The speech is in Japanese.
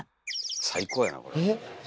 最高やなこれ。